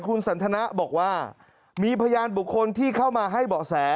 คุณสันทนะบอกว่ามีพยานบุคคลที่เข้ามาให้เบาะแส